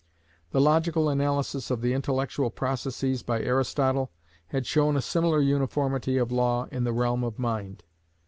The logical analysis of the intellectual processes by Aristotle had shown a similar uniformity of law in the realm of mind.